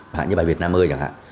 hẳn như bài việt nam ơi chẳng hạn